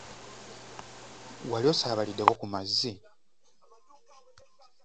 Wali osaabaliddeko ku mazzi?